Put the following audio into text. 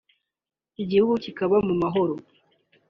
igihugu kikaba mu mahoro